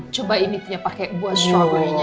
coba ini pake buat strawberry nya